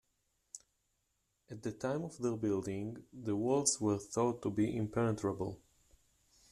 At the time of their building, the walls were thought to be impenetrable.